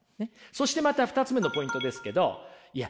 そしてまた２つ目のポイントですけどいや